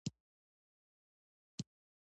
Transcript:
خدای ته سر ټيټول د ښه بنده ځانګړنه ده.